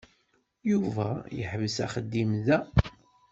Yuba yeḥbes axeddim da.